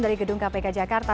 dari gedung kpk jakarta